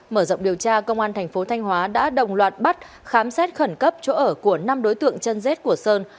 mở rộng điều tra công an thành phố thanh hóa đã đồng loạt bắt khám xét khẩn cấp chỗ ở của năm đối tượng chân rết của sơn